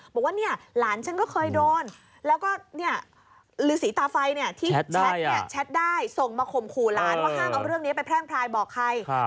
บอกว่าเนี่ยหลานฉันก็เคยโดนแล้วก็ลือสีตาไฟเนี่ยที่แชทเนี่ยแชทได้ส่งมาข่มขู่หลานว่าห้ามเอาเรื่องนี้ไปแพร่งพลายบอกใคร